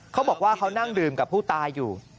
เขาบอกว่าเขานั่งดื่มกับผู้ตายอยู่